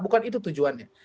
bukan itu tujuannya